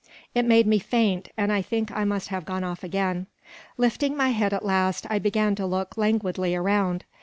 It made me faint, and I think I must have gone off again. Lifting my head at last, I began to look languidly around.